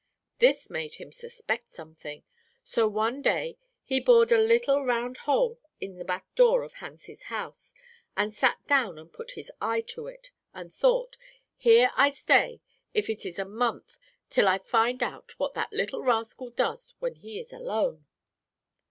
This made him suspect something. So one day he bored a little round hole in the back door of Hans' house, and he sat down and put his eye to it, and thought, 'Here I stay, if it is a month, till I find out what that little rascal does when he is alone.'